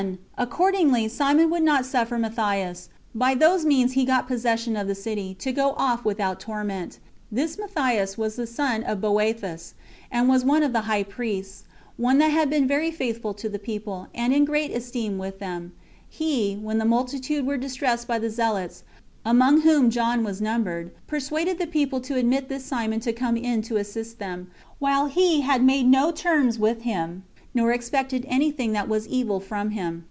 Accordingly Simon would not suffer Matthias, by whose means he got possession of the city, to go off without torment. This Matthias was the son of Boethus, and was one of the high priests, one that had been very faithful to the people, and in great esteem with them; he, when the multitude were distressed by the zealots, among whom John was numbered, persuaded the people to admit this Simon to come in to assist them, while he had made no terms with him, nor expected any thing that was evil from him.